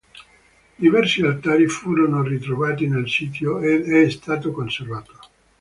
Diversi altari furono ritrovati sul sito ed è stato conservato.